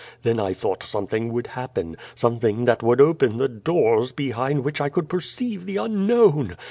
Then I thought something would happen, something that would op«'n the doors behind which I could perceive the unknown.